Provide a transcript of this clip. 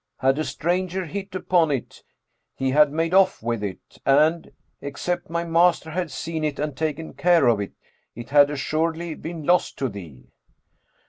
Had a stranger hit upon it he had made off with it and, except my master had seen it and taken care of it, it had assuredly been lost to thee."